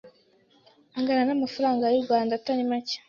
angana n’amafaranga y’u Rwanda Atari macye